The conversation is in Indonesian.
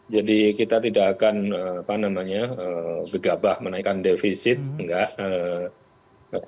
jadi kita tidak akan apa namanya gegabah menaikkan defisit enggak